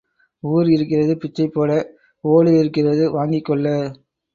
ஊர் இருக்கிறது பிச்சை போட ஓடு இருக்கிறது வாங்கிக் கொள்ள.